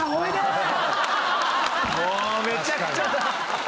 ・もうめちゃくちゃだ！